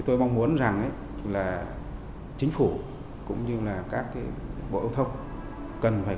tôi mong muốn rằng chính phủ cũng như các doanh nghiệp khối phát triển hạ tầng giao thông theo mô hình của nước ngoài